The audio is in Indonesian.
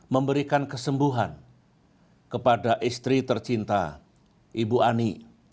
memberikan kesembuhan kepada istri tercinta ibu ani